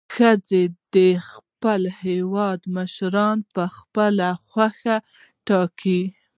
ښځې د خپل هیواد مشران په خپله خوښه ټاکي.